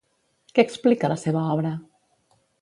Què explica la seva obra?